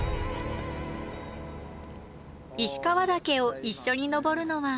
石川岳を一緒に登るのは。